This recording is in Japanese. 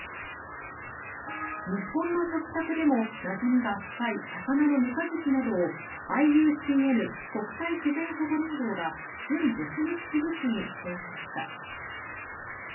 日本の食卓でもなじみが深い魚のメカジキなどをＩＵＣＮ・国際自然保護連合が準絶滅危惧種に指定しました。